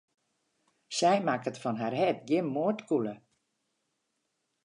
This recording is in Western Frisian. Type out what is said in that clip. Sy makket fan har hert gjin moardkûle.